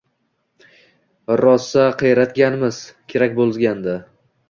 Rosa qiyratganmiz! Kerak boʻlgan-da!